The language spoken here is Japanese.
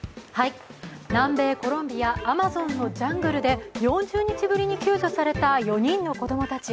南米コロンビア、アマゾンのジャングルで４０日ぶりに救助された４人の子供たち。